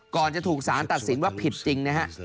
ก่อนจะถูกสารตัดสินว่าผิดจริงนะฮะ